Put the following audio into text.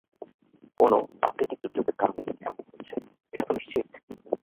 কোন প্রাকৃতিক দুর্যোগের কারণেই এমন হচ্ছে এটা তো নিশ্চিত!